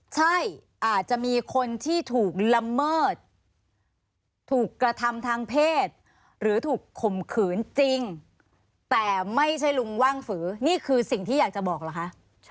ใช่อาจจะมีคนที่ถูกละเมิดถูกกระทำทางเพศหรือถูกข่มขืนจริงแต่ไม่ใช่ลุงว่างฝือนี่คือสิ่งที่อยากจะบอกเหรอคะ